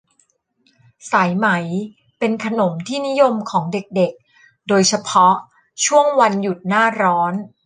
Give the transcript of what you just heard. สายไหมเป็นขนมที่นิยมของเด็ก ๆ โดยเฉพาะช่วงวันหยุดหน้าร้อน